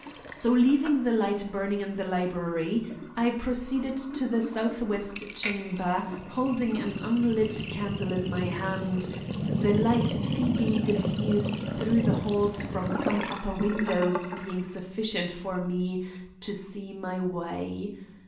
So leaving the light burning in the library, I proceeded to the southwest chamber, holding an unlit candle in my hand, the light feebly diffused through the halls from some upper windows being sufficient for me to see my way.